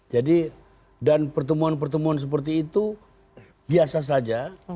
jadi dan pertemuan pertemuan seperti itu biasa saja